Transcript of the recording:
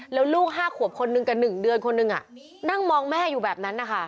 แล้วลูก๕ขวบคนหนึ่งกับ๑เดือนคนหนึ่งนั่งมองแม่อยู่แบบนั้นนะคะ